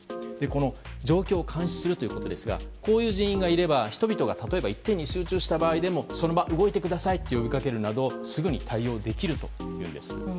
この状況を監視するということですがこういう人員がいれば人々が例えば一点に集中した場合でもその場を動いてくださいと呼びかけるなどすぐに対応できるというんです。